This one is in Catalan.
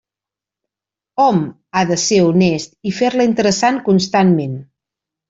Hom ha de ser honest i fer-la interessant constantment.